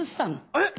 えっ？